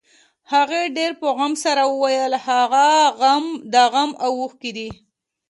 هغې په ډېر غم سره وويل هغه د غم اوښکې دي.